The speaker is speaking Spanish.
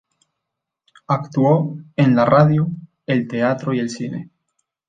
Actuó en la radio, el teatro y el cine.